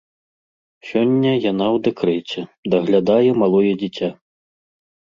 Сёння яна ў дэкрэце, даглядае малое дзіця.